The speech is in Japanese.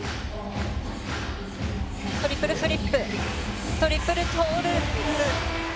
トリプルフリップトリプルトウループ。